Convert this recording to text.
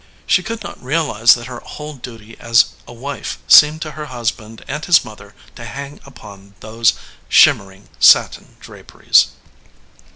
She could not realize that her whole duty as a wife seemed to her husband and his mother to hang upon those shimmering satin draperies.